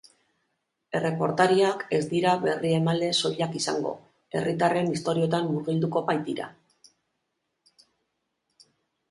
Erreportariak ez dira berriemaile soilak izango, herritarren istorioetan murgilduko baitira.